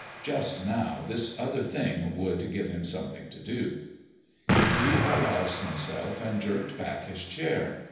Just now this other thing would give him something to do. He aroused himself and jerked back his chair.